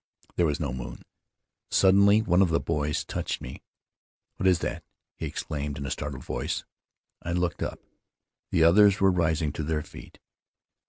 There was no moon. Suddenly one of the boys touched me. 'What is that?' he ex claimed, in a startled voice. I looked up; the others were rising to their feet.